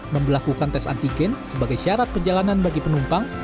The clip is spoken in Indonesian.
memperlakukan tes antigen sebagai syarat perjalanan bagi penumpang